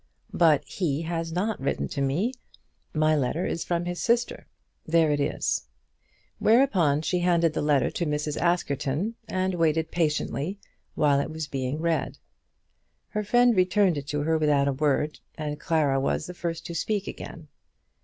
"But he has not written to me. My letter is from his sister. There it is." Whereupon she handed the letter to Mrs. Askerton, and waited patiently while it was being read. Her friend returned it to her without a word, and Clara was the first to speak again.